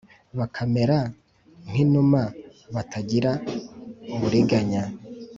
bakamera nk inuma batagira uburiganya